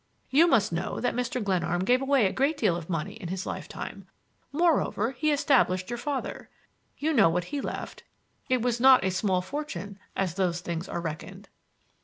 You must know that Mr. Glenarm gave away a great deal of money in his lifetime. Moreover, he established your father. You know what he left,—it was not a small fortune as those things are reckoned."